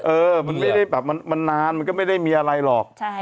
เออมันไม่ได้แบบมันนานมันก็ไม่ได้มีอะไรหรอก